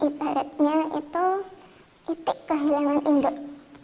ibaratnya itu itik kehilangan hidup